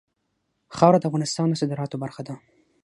خاوره د افغانستان د صادراتو برخه ده.